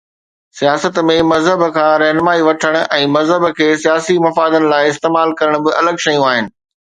سياست ۾ مذهب کان رهنمائي وٺڻ ۽ مذهب کي سياسي مفادن لاءِ استعمال ڪرڻ ٻه الڳ شيون آهن.